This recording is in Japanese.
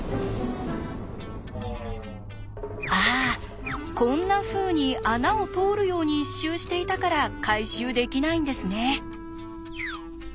ああこんなふうに穴を通るように一周していたから回収できないんですね。